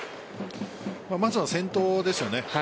まずは先頭ですよね。